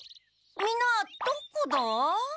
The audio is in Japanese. みんなどこだ？